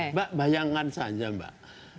mbak bayangkan saja mbak